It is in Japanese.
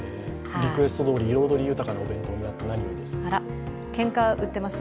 リクエストどおり彩り豊かなお弁当になってよかったです。